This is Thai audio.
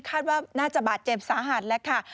คาดว่าน่าจะบาดเจ็บสาหัสแล้วค่ะ